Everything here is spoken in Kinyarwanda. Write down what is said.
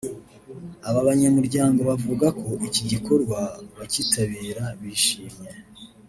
Aba banyamuryango bavuga ko iki gikorwa bakitabira bishimye